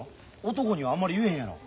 男にはあまり言えへんやろ。